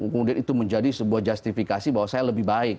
kemudian itu menjadi sebuah justifikasi bahwa saya lebih baik